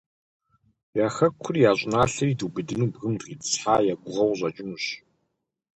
Я хэкури, я щӀыналъэри дубыдыну бгым дыкъитӀысхьа я гугъэу къыщӀэкӀынущ.